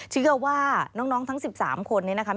เชื่อว่าน้องทั้ง๑๓คนนี้นะคะ